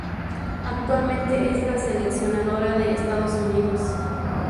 Actualmente es la seleccionadora de Estados Unidos.